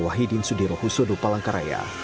wahidin sudirohusodo palangkaraya